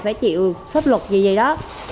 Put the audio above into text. phải chịu pháp luật gì gì đó